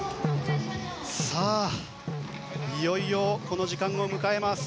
さあ、いよいよこの時間を迎えます。